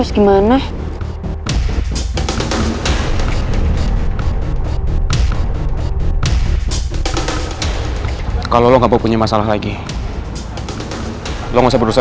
sampai jumpa di video selanjutnya